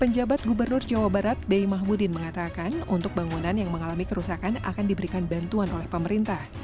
penjabat gubernur jawa barat bei mahmudin mengatakan untuk bangunan yang mengalami kerusakan akan diberikan bantuan oleh pemerintah